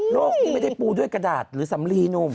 ที่ไม่ได้ปูด้วยกระดาษหรือสำลีหนุ่ม